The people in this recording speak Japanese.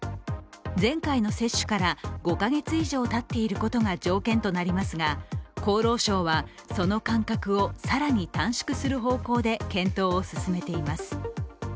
前回の接種から５か月以上たっていることが条件となりますが厚労省はその間隔を更に短縮する方向で検討を進めています。